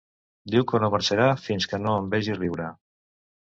Diu que no marxarà fins que no em vegi riure.